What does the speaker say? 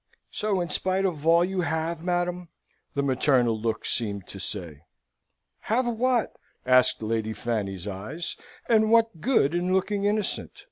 "So, in spite of all, you have, madam?" the maternal looks seemed to say. "Have what?" asked Lady Fanny's eyes. But what good in looking innocent?